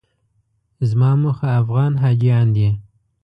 زما موخه افغان حاجیان دي.